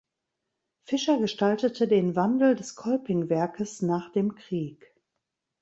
Fischer gestaltete den Wandel des Kolpingwerkes nach dem Krieg.